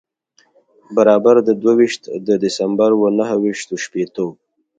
برابر د دوه ویشت د دسمبر و نهه ویشت و شپېتو.